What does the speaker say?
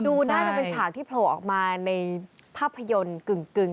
ดูน่าจะเป็นฉากที่โผล่ออกมาในภาพยนตร์กึ่ง